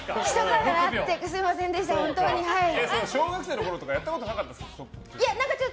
小学生のころとかやったことなかったの？